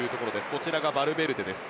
こちらがバルベルデです。